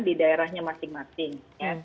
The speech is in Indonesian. di daerahnya masing masing